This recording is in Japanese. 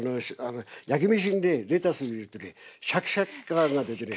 焼き飯にレタス入れるとシャキシャキ感が出てね